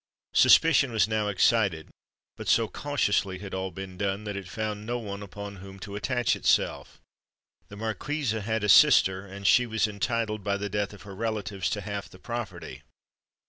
Suspicion was now excited; but so cautiously had all been done, that it found no one upon whom to attach itself. The marquise had a sister, and she was entitled, by the death of her relatives, to half the property.